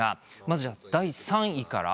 まず第３位から。